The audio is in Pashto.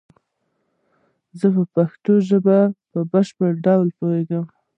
زه په پشتو ژبه په بشپړ ډول پوهیږم